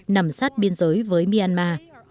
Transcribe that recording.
nằm sát biên giới với myanmar